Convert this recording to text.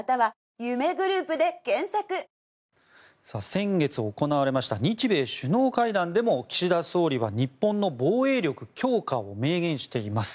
先月行われました日米首脳会談でも岸田総理は日本の防衛力強化を明言しています。